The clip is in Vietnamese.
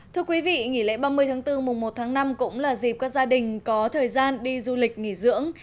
thưa quý vị nghỉ lễ ba mươi tháng bốn mùng một tháng năm cũng là dịp các gia đình có thời gian đi du lịch nghỉ dưỡng